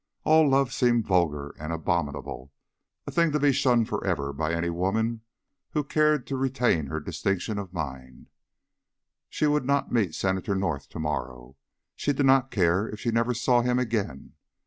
All love seemed vulgar and abominable, a thing to be shunned for ever by any woman who cared to retain her distinction of mind. She would not meet Senator North to morrow. She did not care if she never saw him again.